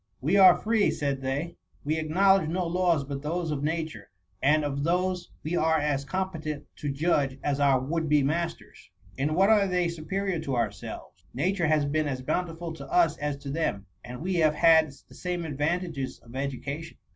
We are free,^ said they ;^^ we acknowledge no laws but those of nature/ and of those we are as competent to judge as our would be masters. In what are they superior to ourselves ? Nature has been as bountiful to us as to them, and we have had the same advantages of education.